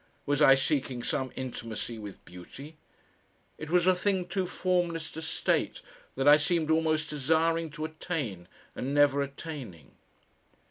Was I seeking some intimacy with beauty? It was a thing too formless to state, that I seemed always desiring to attain and never attaining.